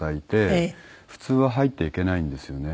普通は入っていけないんですよね。